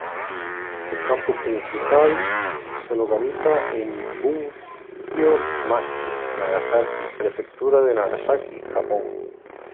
Su campus principal se localiza en Bunkyo-machi, Nagasaki, Prefectura de Nagasaki, Japón.